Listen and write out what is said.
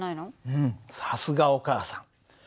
うんさすがお母さん。